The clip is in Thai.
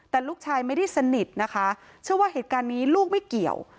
แต่ลูกชายไม่ได้สนิทนะคะเชื่อว่าเหตุการณ์นี้ลูกไม่เกี่ยว